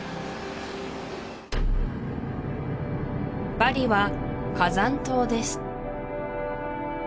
バリは火山島です